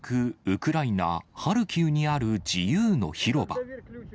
ウクライナ・ハルキウにある自由の広場。